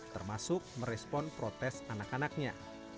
termasuk merespon protes anak anaknya